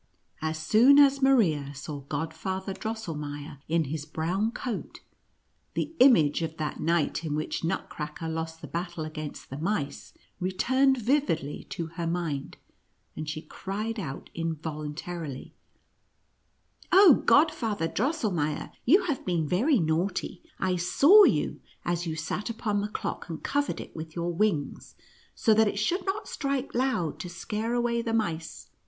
As soon as Maria saw Godfather Drosselmeier in his 52 1STXJTCB ACKER AND MOUSE KIjS t G. brown coat, the image of that night in which Nutcracker lost the battle against the mice, re turned vividly to her mind, and she cried out involuntarily, " Oh Godfather Drosselmeier, you have been very naughty ; I saw you as you sat upon the clock, and covered it with your wings, so that it should not strike loud, to scare away the mice.